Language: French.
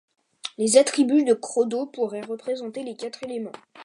Les attributs de Krodo pourraient représenter les quatre éléments.